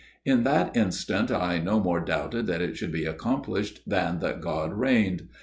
In that instant I no more doubted that it should be accomplished than that God reigned.